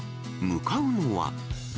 向かうのは。